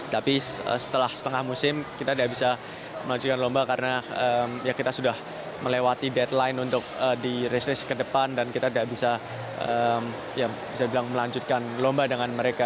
tapi setelah setengah musim kita tidak bisa melanjutkan lomba karena kita sudah melewati deadline untuk di risk race ke depan dan kita tidak bisa bilang melanjutkan lomba dengan mereka